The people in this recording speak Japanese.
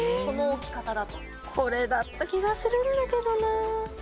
これだった気がするんだけどな。